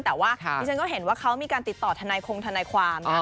แต่ว่าดิฉันก็เห็นว่าเขามีการติดต่อทนายคงทนายความ